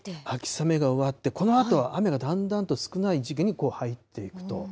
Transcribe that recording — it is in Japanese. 秋雨が終わって、このあとだんだんと雨が少ない時期に入っていくと。